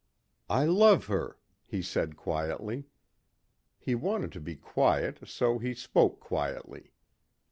"I love her," he said quietly. He wanted to be quiet so he spoke quietly.